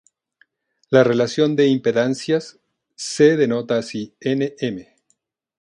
La relación de impedancias se denota así: "n:m".